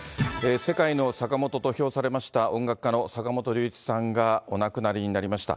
世界のサカモトと評されました音楽家の坂本龍一さんがお亡くなりになりました。